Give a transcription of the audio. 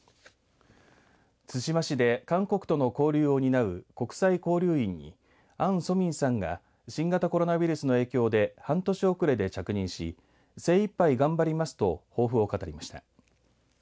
対馬市で韓国との交流を担う国際交流員にアン・ソミンさんが新型コロナウイルスの影響で半年遅れで着任し精いっぱい頑張りますと抱負を語りました。